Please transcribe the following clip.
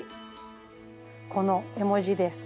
この絵文字です。